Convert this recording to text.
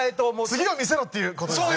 次を見せろっていう事ですね？